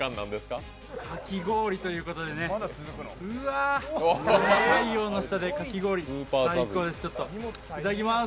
かき氷ということで、うわ、太陽の下でかき氷最高です、いただきます。